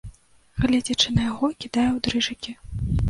Гледзячы на яго, кідае ў дрыжыкі.